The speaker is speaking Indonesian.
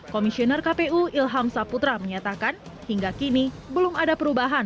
komisioner kpu ilham saputra menyatakan hingga kini belum ada perubahan